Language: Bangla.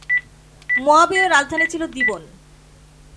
মোয়াবীয় রাজধানী ছিল দীবোন।